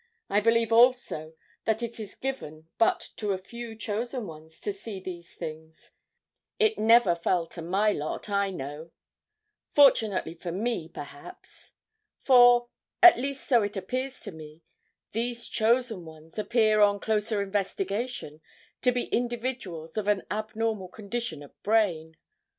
I believe also that it is given but to a few chosen ones to see these things. It never fell to my lot, I know. Fortunately for me, perhaps. For, at least so it appears to me, these chosen ones appear on closer investigation to be individuals of an abnormal condition of brain.